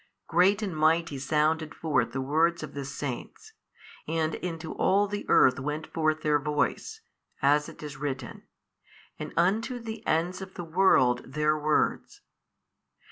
Great and mighty sounded forth the word of the Saints, and into all the earth went forth their voice, as it is written, and unto the ends of the world their words.